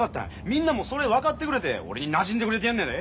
みんなもそれ分かってくれて俺になじんでくれてんのやで。